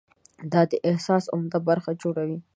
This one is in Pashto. دا د احساس عمده برخه جوړوي.